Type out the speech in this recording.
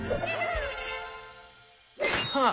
ああ。